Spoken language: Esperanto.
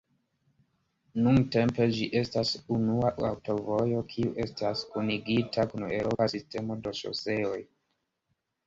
Nuntempe ĝi estas unua aŭtovojo kiu estas kunigita kun eŭropa sistemo de ŝoseoj.